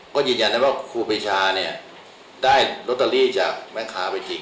ก็ยืนยันให้ว่าครูพิชาได้โรตเตอรี่จากแม่ค้าไปจริง